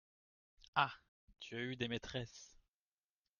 Ah ! tu as eu des maîtresses !